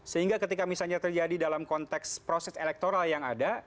sehingga ketika misalnya terjadi dalam konteks proses elektoral yang ada